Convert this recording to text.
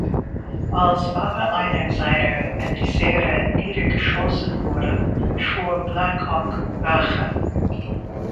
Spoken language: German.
Als aber einer seiner Emissäre niedergeschossen wurde, schwor Black Hawk Rache.